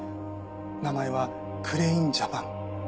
名前はクレインジャパン。